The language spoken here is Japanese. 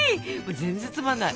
全然つまんない。